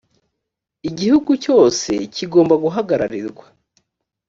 igihugu cyose kigomba guhagararirwa.